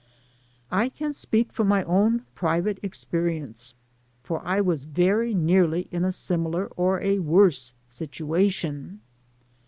I can speak firom my own private experience, for I was very nearly in a nmilar or a worse mtuation.